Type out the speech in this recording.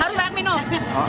harus banyak minum